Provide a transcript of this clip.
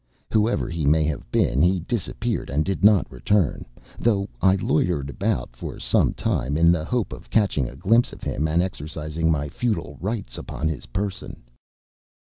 Whoever he may have been, he disappeared and did not return, though I loitered about for some time in the hope of catching a glimpse of him and exercising my feudal rights upon his person.